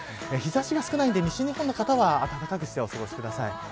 日差しが少ないので西日本の方は暖かくしてお過ごしください。